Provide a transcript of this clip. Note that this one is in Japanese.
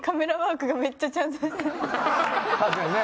確かにね